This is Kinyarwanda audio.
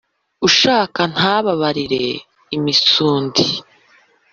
Ushaka ntababarira imisundi.